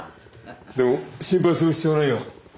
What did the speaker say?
でも心配する必要はないよ。